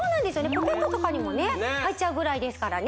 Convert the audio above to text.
ポケットとかにもね入っちゃうぐらいですからね